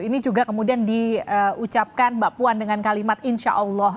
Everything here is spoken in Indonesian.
ini juga kemudian diucapkan mbak puan dengan kalimat insya allah